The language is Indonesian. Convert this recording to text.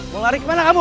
mau lari kemana kamu